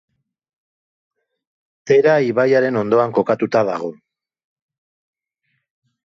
Tera ibaiaren ondoan kokatuta dago.